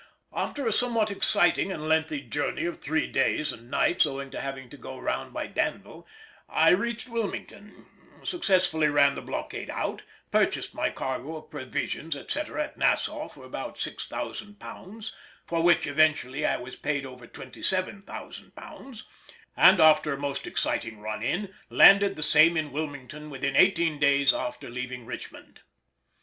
After a somewhat exciting and lengthy journey of three days and nights, owing to having to go round by Danville, I reached Wilmington, successfully ran the blockade out, purchased my cargo of provisions, etc. at Nassau for about £6000 (for which eventually I was paid over £27,000), and, after a most exciting run in, landed the same in Wilmington within eighteen days after leaving Richmond.